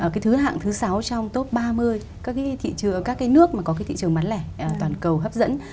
cái thứ hạng thứ sáu trong top ba mươi các cái nước mà có cái thị trường bán lẻ toàn cầu hấp dẫn